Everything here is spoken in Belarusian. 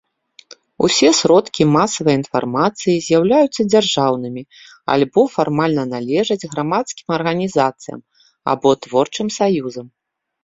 Усё сродкі масавай інфармацыі з'яўляюцца дзяржаўнымі альбо фармальна належаць грамадскім арганізацыям або творчым саюзам.